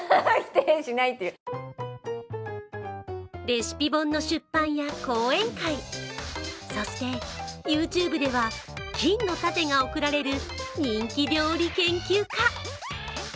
レシピ本の出版や講演会、そしてＹｏｕＴｕｂｅでは金の盾が贈られる人気料理研究家。